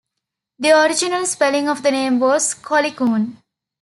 The original spelling of the name was Collikoon.